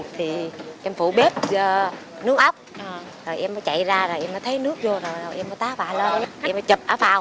thì em phụ bếp nước ốc rồi em mới chạy ra rồi em mới thấy nước vô rồi em mới tá bạ lên em mới chụp áo phao